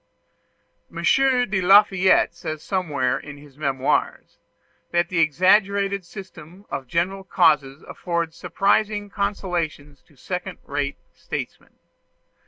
M. de Lafayette says somewhere in his "Memoirs" that the exaggerated system of general causes affords surprising consolations to second rate statesmen.